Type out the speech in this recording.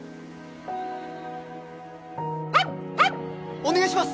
お願いします！